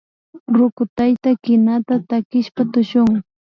Ruku tayta kinata takishpa tushukun